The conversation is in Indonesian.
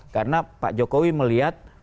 karena pak jokowi melihat